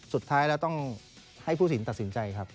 สุดท้ายแล้วต้องให้ผู้สินตัดสินใจครับ